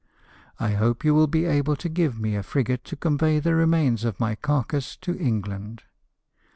I hope you will be able to give me a frigate to convey the remains of my carcase to England."